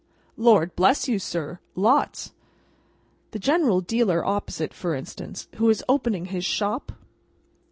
"Lord bless you, sir! Lots." "The general dealer opposite, for instance, who is opening his shop?"